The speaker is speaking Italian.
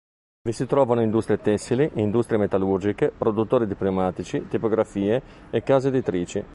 Vi si trovano industrie tessili, industrie metallurgiche, produttori di pneumatici, tipografie e case editrici.